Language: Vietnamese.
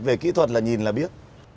về kỹ thuật là nhìn là biết